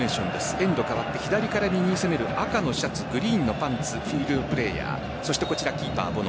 エンド左から右に攻める赤のシャツグリーンのパンツフィールドプレーヤーキーパー・ボノ。